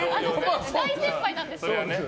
大先輩なんですけど。